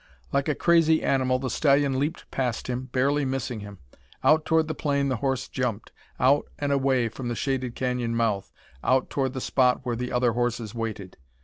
Like a crazy animal the stallion leaped past him, barely missing him. Out toward the plain the horse jumped, out and away from the shaded canyon mouth, out toward the spot where other horses waited.